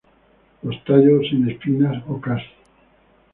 Los tallos sin espinas o casi.